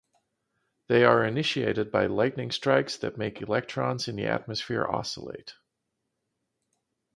They are initiated by lightning strikes that make electrons in the atmosphere oscillate.